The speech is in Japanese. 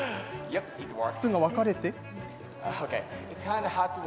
スプーンが分かれて。